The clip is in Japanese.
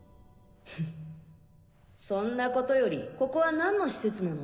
フッそんなことよりここは何の施設なの？